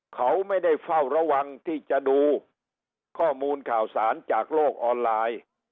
เขาไม่ได้เฝ้าระวังที่จะดูข้อมูลข่าวสารจากโลกออนไลน์